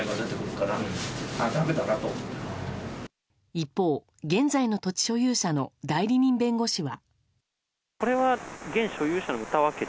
一方、現在の土地所有者の代理人弁護士は。